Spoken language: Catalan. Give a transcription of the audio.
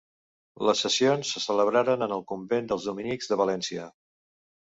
Les sessions se celebraren en el convent dels dominics de València.